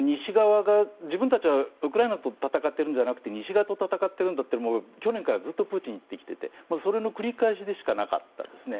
自分たちはウクライナと戦ってるんじゃなくて西側と戦っているんだというのは去年からずっとプーチンは言ってきててそれの繰り返しでしかなかったですね。